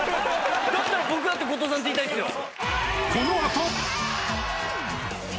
だったら僕だって後藤さんって言いたいっすよ。